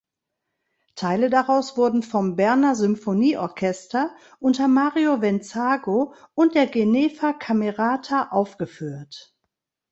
Teile daraus wurden vom Berner Symphonieorchester unter Mario Venzago und der Geneva Camerata aufgeführt.